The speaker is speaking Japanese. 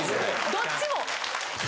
どっちも！